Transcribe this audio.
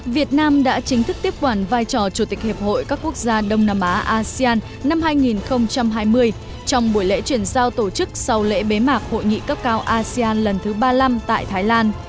việt nam đã chính thức tiếp quản vai trò chủ tịch hiệp hội các quốc gia đông nam á asean năm hai nghìn hai mươi trong buổi lễ chuyển giao tổ chức sau lễ bế mạc hội nghị cấp cao asean lần thứ ba mươi năm tại thái lan